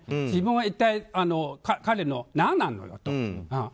自分は一体、彼の何なんだと。